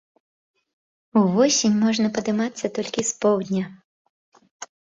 Увосень можна падымацца толькі з поўдня.